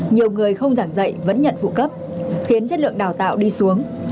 nhiều người không giảng dạy vẫn nhận phụ cấp khiến chất lượng đào tạo đi xuống